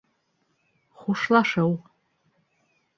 ХУШЛАШЫУ